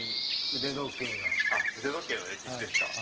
腕時計の歴史ですか。